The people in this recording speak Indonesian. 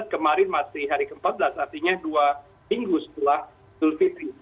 kemarin masih hari ke empat belas artinya dua minggu setelah idul fitri